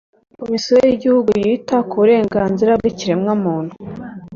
komisiyo y'igihugu yita ku burenganzira bw'ikiremwamuntu